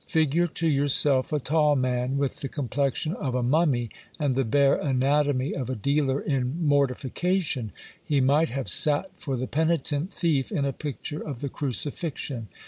Figure to yourself a tall man, with the complexion, of a mummy and the bare anatomy of a dealer in mortification ; he might have sat for the penitent thief in a picture of the crucifixion.